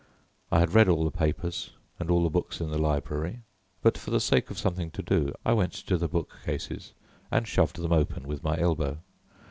I had read all the papers and all the books in the library, but for the sake of something to do I went to the bookcases and shoved them open with my elbow.